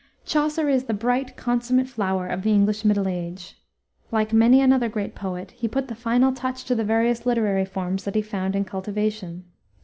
Chaucer is the bright consummate flower of the English Middle Age. Like many another great poet, he put the final touch to the various literary forms that he found in cultivation.